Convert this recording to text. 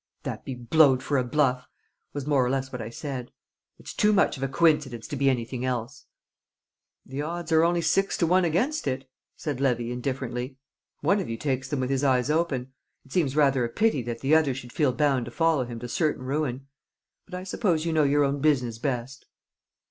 "That be blowed for a bluff!" was more or less what I said. "It's too much of a coincidence to be anything else." "The odds are only six to one against it," said Levy, indifferently. "One of you takes them with his eyes open. It seems rather a pity that the other should feel bound to follow him to certain ruin. But I suppose you know your own business best."